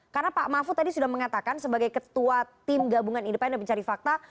karena pak mahfud tadi sudah mengatakan sebagai ketua tim gabungan independen mencari fakta